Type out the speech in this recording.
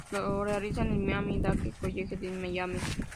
Lo realiza en el Miami Dade College de Miami.